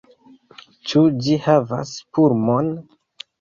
Ĉu ĝi havas pulmon?